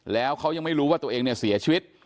แล้วเขายังไม่รู้ว่าตัวเองเนี่ยเสียชีวิต